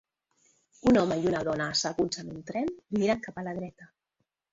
Un home i una dona asseguts en un tren miren cap a la dreta.